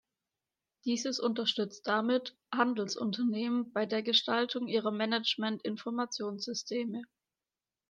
Dieses unterstützt damit Handelsunternehmen bei der Gestaltung ihrer Management-Informationssysteme.